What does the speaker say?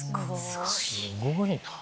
すごいなぁ。